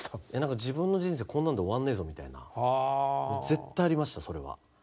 自分の人生こんなんで終わんねえぞみたいな絶対ありましたそれは。